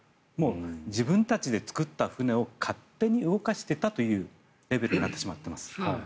自分たちで造った船を勝手に動かしていたというレベルになってしまっています。